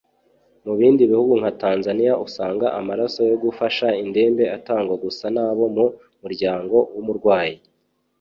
Mu bindi bihugu nka Tanzania usanga amaraso yo gufasha indembe atangwa gusa n’abo mu muryango w’umurwayi